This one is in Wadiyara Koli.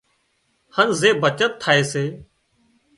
هانَ زي بچت ٿائي سي